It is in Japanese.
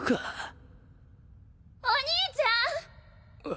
・お兄ちゃん！